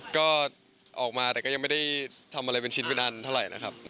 ก็ออกมาแต่ก็ยังไม่ได้ทำอะไรเป็นชิ้นเป็นอันเท่าไหร่นะครับ